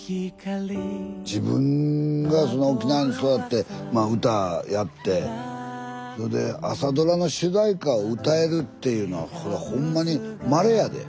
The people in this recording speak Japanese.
自分が沖縄に育って歌やってそれで朝ドラの主題歌を歌えるっていうのはこれほんまにまれやで。